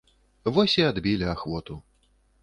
Вось і адбілі ахвоту.